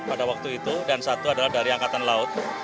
pada waktu itu dan satu adalah dari angkatan laut